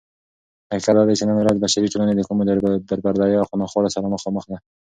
حقيقت دادى چې نن ورځ بشري ټولنه دكومو دربدريو او ناخوالو سره مخامخ ده